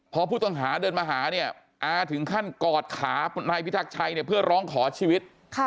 พอผู้ต้องหาเดินมาหาเนี่ยอาถึงขั้นกอดขานายพิทักษ์ชัยเนี่ยเพื่อร้องขอชีวิต